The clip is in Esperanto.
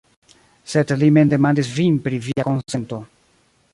Sed li mem demandis vin pri via konsento.